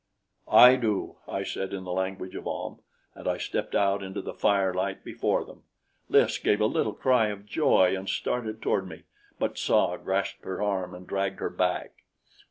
"I do," I said in the language of Ahm, and I stepped out into the firelight before them. Lys gave a little cry of joy and started toward me, but Tsa grasped her arm and dragged her back.